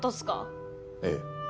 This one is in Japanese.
ええ。